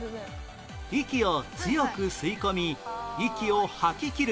息を強く吸い込み息を吐ききる